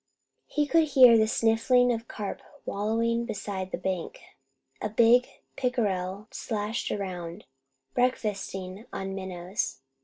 He could hear the sniffling of carp wallowing beside the bank. A big pickerel slashed around, breakfasting on minnows.